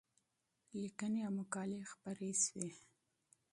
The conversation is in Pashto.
لیکنې او مقالې خپرې شوې.